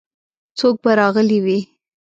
څوک به راغلي وي؟